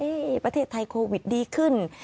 ประเทศไทยโควิดดีขึ้น